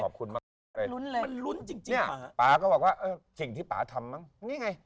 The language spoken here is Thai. ขอบคุณมากเลยป๊าก็บอกว่าสิ่งที่ป๊าทำมั้งนี่ไง